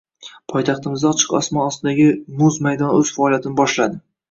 Poxtaxtmizda ochiq osmon ostidagi muz maydoni o‘z faoliyatini boshladi